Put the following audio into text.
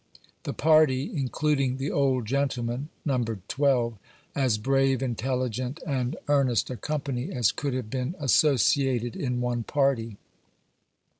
The party, including the old gentleman, numbered twelve, — as brave, intelligent and earnest a company as could have been associated in one party.